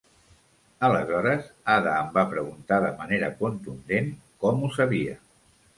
Aleshores, Ada em va preguntar de manera contundent, com ho sabia.